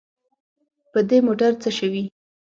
په دې موټر څه شوي.